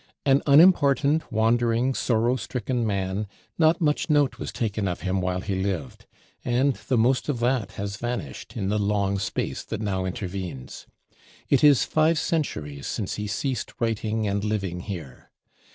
An unimportant, wandering, sorrow stricken man, not much note was taken of him while he lived; and the most of that has vanished, in the long space that now intervenes. It is five centuries since he ceased writing and living here.